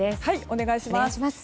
お願いします。